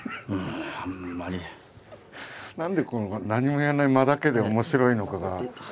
何でこの何もやらない間だけで面白いのかが。